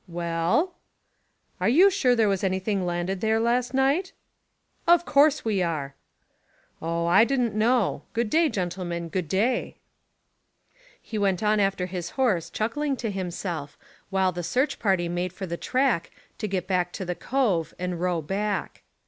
"Well?" "Are you sure there was anything landed there last night?" "Of course we are." "Oh, I didn't know. Good day, gentlemen, good day." He went on after his horse chuckling to himself, while the search party made for the track to get back to the cove and row back.